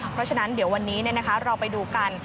เพราะฉะนั้นเดี๋ยววันนี้เราไปดูกัน